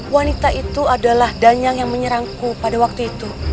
wanita itu adalah danyang yang menyerangku pada waktu itu